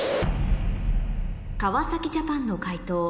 川ジャパンの解答